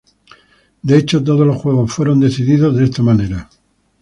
De hecho, todos los juegos fueron decididos de esta manera.